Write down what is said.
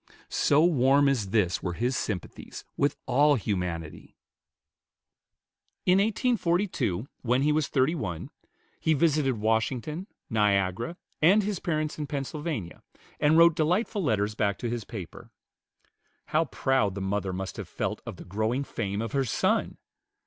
So warm as this were his sympathies with all humanity! In 1842, when he was thirty one, he visited Washington, Niagara, and his parents in Pennsylvania, and wrote delightful letters back to his paper. How proud the mother must have felt of the growing fame of her son!